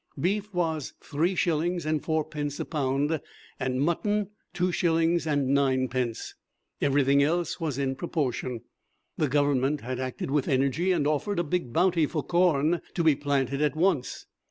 Beef was three shillings and fourpence a pound, and mutton two shillings and ninepence. Everything else was in proportion. The Government had acted with energy and offered a big bounty for corn to be planted at once.